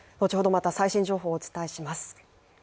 また最新情報をお伝えします。